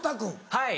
はい。